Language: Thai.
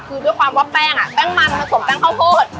คือด้วยความว่าแป้งแป้งมันผสมแป้งข้าวโพด